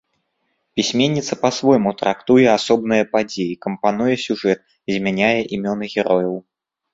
Пісьменніца па-свойму трактуе асобныя падзеі, кампануе сюжэт, змяняе імёны герояў.